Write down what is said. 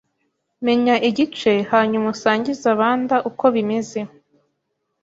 Menya igice hanyuma usangize abanda uko bimeze